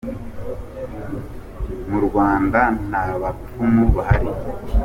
Mu Rwanda nta bapfumu bahari …’.